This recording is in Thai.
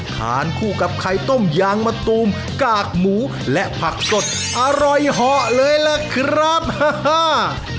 ทานคู่กับไข่ต้มยางมะตูมกากหมูและผักสดอร่อยเหาะเลยล่ะครับฮ่า